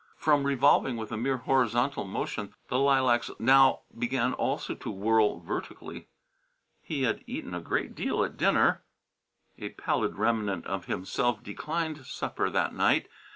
From revolving with a mere horizontal motion the lilacs now began also to whirl vertically. He had eaten a great deal at dinner.... A pallid remnant of himself declined supper that night.